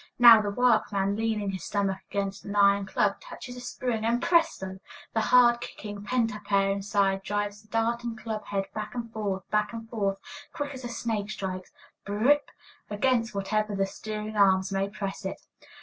Now the workman, leaning his stomach against an iron club, touches a spring, and, presto! the hard kicking, pent up air inside drives the darting club head back and forth, back and forth, quick as a snake strikes, br r r r r ip ip ip ip, against whatever the steering arms may press it.